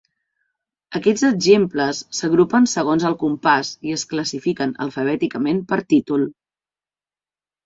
Aquests exemples s'agrupen segons el compàs i es classifiquen alfabèticament per títol.